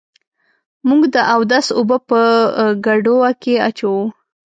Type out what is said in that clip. موږ د اودس اوبه په ګډوه کي اچوو.